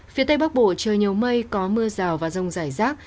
phía tây bắc bộ trời nhiều mây có mưa rào và rông rải rác